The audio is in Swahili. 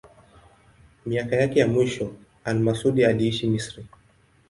Miaka yake ya mwisho al-Masudi aliishi Misri.